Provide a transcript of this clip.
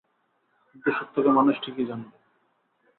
কিন্তু সত্যকে মানুষ ঠিকই জানবে।